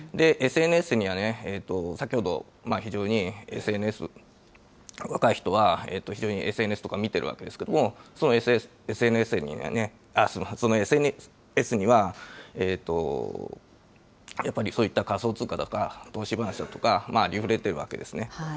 ＳＮＳには、先ほど非常にＳＮＳ、若い人は非常にＳＮＳとか見てるわけですけれども、そのＳＮＳにはやっぱりそういった仮想通貨だとか、投資話だとかがありふれているわけですね。